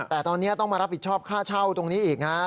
แต่ตอนนี้ต้องมารับผิดชอบค่าเช่าตรงนี้อีกฮะ